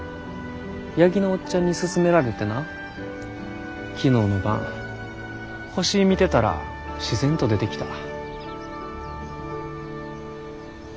八木のおっちゃんに勧められてな昨日の晩星見てたら自然と出てきた。